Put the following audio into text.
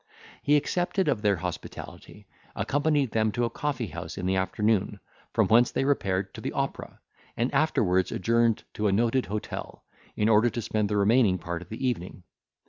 He accepted of their hospitality, accompanied them to a coffee house in the afternoon, from whence they repaired to the opera, and afterwards adjourned to a noted hotel, in order to spend the remaining part of the evening.